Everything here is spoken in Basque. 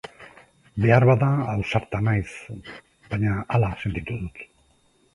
Behar bada ausarta naiz, baina hala sentitu dut.